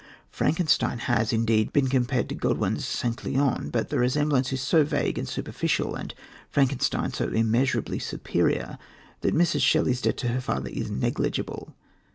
Frankenstein has, indeed, been compared to Godwin's St. Leon, but the resemblance is so vague and superficial, and Frankenstein so immeasurably superior, that Mrs. Shelley's debt to her father is negligible.